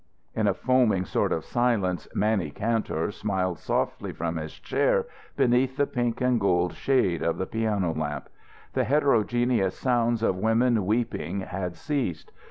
In a foaming sort of silence, Mannie Kantor smiled softly from his chair beneath the pink and gold shade of the piano lamp. The heterogeneous sounds of women weeping had ceased.